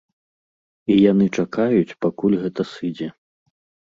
І яны чакаюць, пакуль гэта сыдзе.